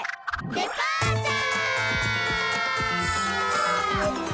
デパーチャー！